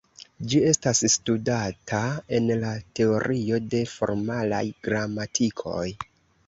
Ĝi estas studata en la Teorio de formalaj gramatikoj.